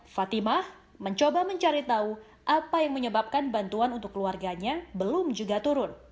fatimah mencoba mencari tahu apa yang menyebabkan bantuan untuk keluarganya belum juga turun